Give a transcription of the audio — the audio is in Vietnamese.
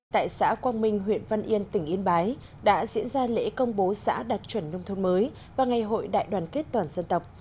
tại xã quang minh huyện văn yên tỉnh yên bái đã diễn ra lễ công bố xã đạt chuẩn nông thôn mới và ngày hội đại đoàn kết toàn dân tộc